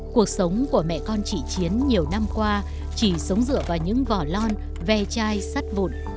cuộc sống của mẹ con chị chiến nhiều năm qua chỉ sống dựa vào những vỏ lon ve chai sắt vụn